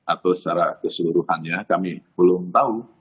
atau secara keseluruhannya kami belum tahu